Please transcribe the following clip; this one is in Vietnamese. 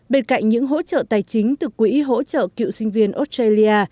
bên cạnh những hỗ trợ tài chính từ quỹ hỗ trợ cựu sinh viên australia